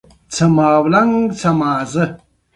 طبيعي چاپيريال زموږ په ژوند اغېز کوي.